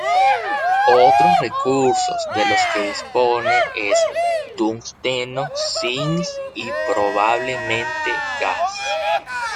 Otros recursos de los que dispone es tungsteno, zinc y, probablemente, gas.